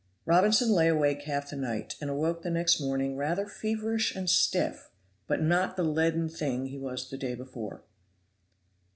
Robinson lay awake half the night, and awoke the next morning rather feverish and stiff, but not the leaden thing he was the day before.